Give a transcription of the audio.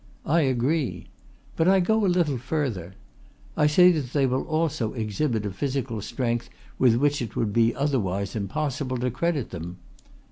I agree. But I go a little further. I say that they will also exhibit a physical strength with which it would be otherwise impossible to credit them.